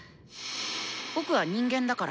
僕は人間だから。